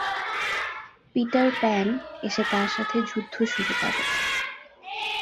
Peter Pan এসে তার সাথে যুদ্ধ শুরু করে।